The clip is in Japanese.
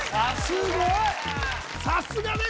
さすが！